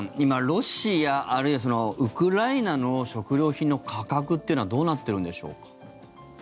今、ロシアあるいはウクライナの食料品の価格というのはどうなってるんでしょうか。